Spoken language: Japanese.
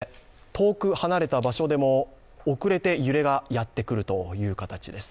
これは遠く離れた場所でも遅れて揺れがやってくるという形です。